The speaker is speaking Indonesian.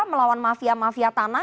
melawan mafia mafia tanah